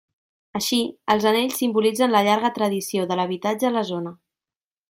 Així, els anells simbolitzen la llarga tradició de l'habitatge a la zona.